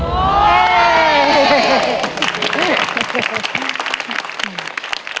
เย้